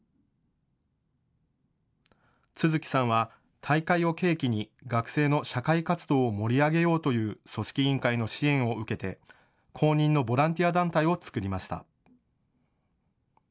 都築さんは大会を契機に学生の社会活動を盛り上げようという組織委員会の支援を受けて公認のボランティア団体を作りました。